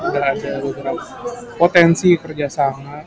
gak ada potensi kerjasama